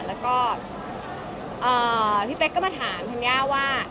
แล้วก็พี่เป๊กก็มาถามท่านแย่ว่า